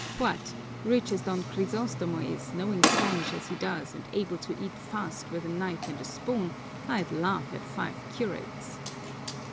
"What, rich as Don Crisostomo is, knowing Spanish as he does, and able to eat fast with a knife and spoon, I'd laugh at five curates!"